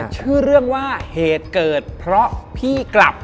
ชื่อเรื่องว่าเหตุเกิดเพราะพี่กลับ